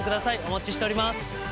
お待ちしております。